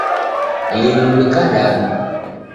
Linu ni kadadu